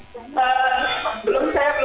belum saya belum buka puasa sih baru